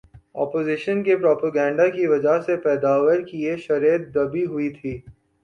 opposition کے propaganda کی وجہ سے پیداوار کی یہ شرح دبی ہوئی تھی